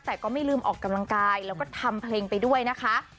แต่ก็ไม่ลืมออกกำลังกายแล้วก็ทำเพลงไปด้วยนะคะ